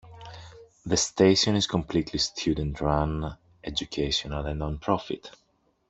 The station is completely student-run, educational, and non-profit.